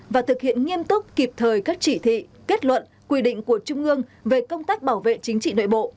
và thực hiện nghiêm túc kịp thời các chỉ thị kết luận quy định của trung ương về công tác bảo vệ chính trị nội bộ